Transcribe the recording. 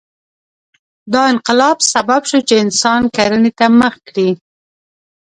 دا انقلاب سبب شو چې انسان کرنې ته مخه کړي.